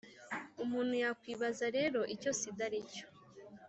umuntu yakwibaza rero icyo sida aricyo